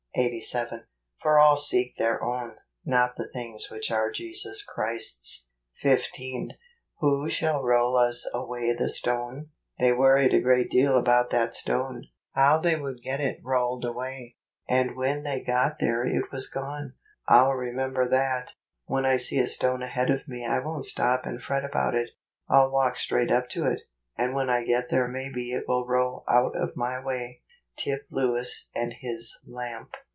Eighty Seven. " For all seek their own , not the things which are Jesus Christ's." JUNE. 67 15. " Who shall roll us away the stone ?" They worried a great deal about that stone, how they would get it rolled away, and when they got there it was gone. 1*11 re¬ member that; when I see a stone ahead of me I won't stop and fret about it; I'll walk straight up to it, and wdien I get there maybe it will roll out of my way. Tip Lewis and His Lamp.